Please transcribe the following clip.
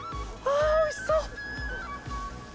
ああ、おいしそう！